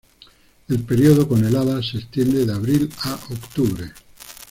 El período con heladas se extiende de abril a octubre.